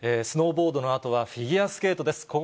スノーボードのあとはフィギュアスケートです。